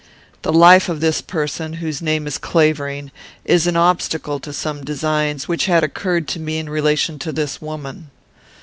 The life of this person, whose name is Clavering, is an obstacle to some designs which had occurred to me in relation to this woman.